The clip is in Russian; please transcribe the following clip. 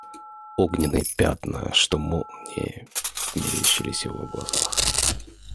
Огненные пятна, что молнии, мерещились в его глазах.